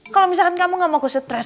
kalau misalkan kamu gak mau ke stres